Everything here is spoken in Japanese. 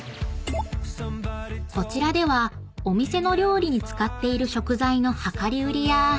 ［こちらではお店の料理に使っている食材の量り売りや］